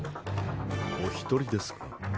お一人ですか？